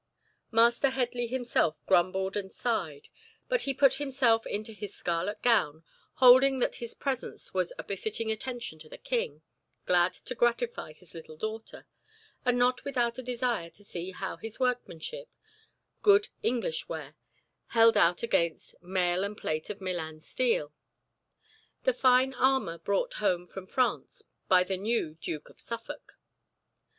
Master Headley himself grumbled and sighed, but he put himself into his scarlet gown, holding that his presence was a befitting attention to the king, glad to gratify his little daughter, and not without a desire to see how his workmanship—good English ware—held out against "mail and plate of Milan steel," the fine armour brought home from France by the new Duke of Suffolk.